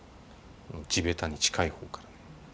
地べたに近い方から。